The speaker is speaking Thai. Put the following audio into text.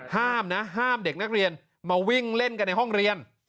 ห้ามนะห้ามเด็กนักเรียนมาวิ่งเล่นกันในห้องเรียน